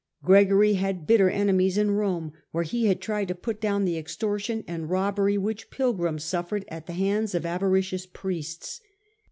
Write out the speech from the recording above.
Gregory had bitter enemies in Rome, where he had tried to put down the extortion and robbery which pilgrims suffered at the hands of avaricious priests.